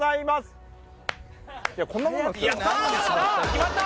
決まった！